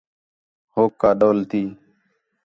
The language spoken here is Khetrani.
ہوک کا دَول تی